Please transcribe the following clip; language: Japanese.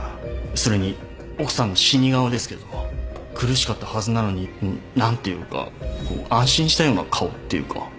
それに奥さんの死に顔ですけど苦しかったはずなのに何ていうかこう安心したような顔っていうか。